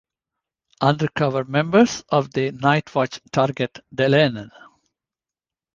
Undercover members of the Nightwatch target Delenn.